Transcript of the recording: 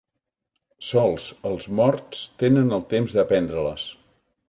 Sols els morts tenen el temps d'aprendre-les.